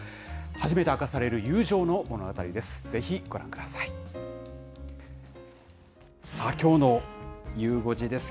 初めて明かされる友情の物語です。